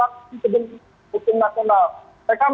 yang tadi sudah mungkin kelasan sudah sampai kebakaran